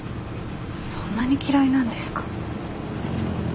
そんなに嫌いなんですか？